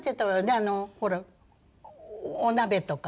あのほらお鍋とか。